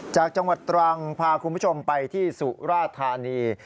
จากจังหวัดตรังพาคุณผู้ชมไปที่สุราธานี